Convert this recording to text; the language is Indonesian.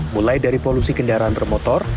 mulai dari polusi kendaraan bermotor